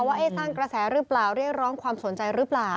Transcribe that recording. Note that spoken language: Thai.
ว่าสร้างกระแสหรือเปล่าเรียกร้องความสนใจหรือเปล่า